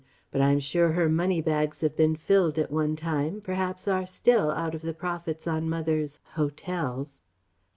But I'm sure her money bags have been filled at one time perhaps are still out of the profits on mother's 'Hotels.'..."